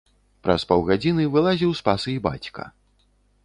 Праз паўгадзіны вылазіў з пасы і бацька.